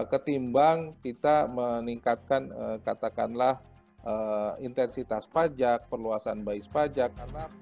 ketimbang kita meningkatkan katakanlah intensitas pajak perluasan bayi pajak